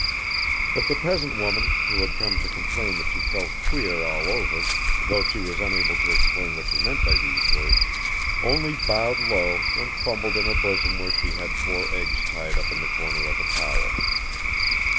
But the peasant woman, who had come to complain that she felt queer all over (though she was unable to explain what she meant by these words), only bowed low and fumbled in her bosom where she had four eggs tied up in the corner of a towel.